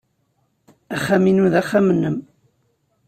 Axxam-inu d axxam-nnem.